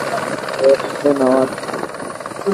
Vita ilianza na kudumu miaka minne na watu